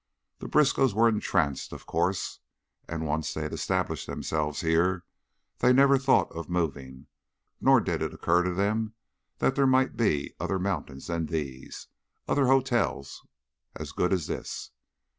The Briskows were entranced, of course, and, once they had established themselves here, they never thought of moving, nor did it occur to them that there might be other mountains than these, other hotels as good as this.